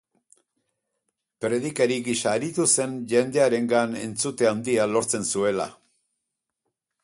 Predikari gisa aritu zen jendearengan entzute handia lortzen zuela.